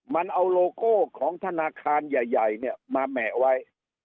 มันเอาโลโก้ของธนาคารใหญ่เนี่ยมาแหมะไว้